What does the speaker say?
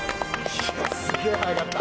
すげえ速かった。